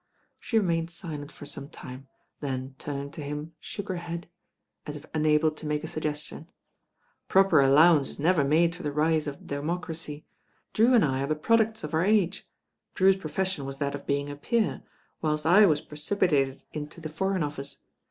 She remained silent for some time, then turning to him shook her head, as if unable to make a suggestion. "Proper allowance is never made for the rise of democracy. Drew and I are the products of our age. Drew's profession was that of being a peer, whilst I was preciof^atcd into the Foreign Office.